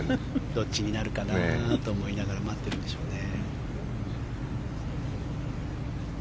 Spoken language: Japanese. どっちになるかなと思いながら待ってるんでしょうね。